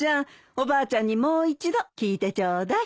おばあちゃんにもう一度聞いてちょうだい。